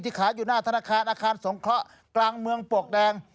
ขายอยู่หน้าธนาคารอาคารสงเคราะห์กลางเมืองปวกแดง